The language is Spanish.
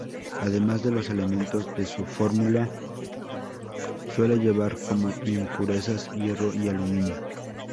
Además de los elementos de su fórmula, suele llevar como impurezas hierro y aluminio.